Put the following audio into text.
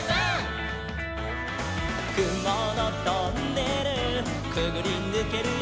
「くものトンネルくぐりぬけるよ」